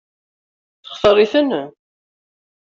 Textaṛ-iten?